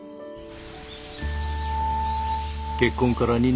結婚から２年。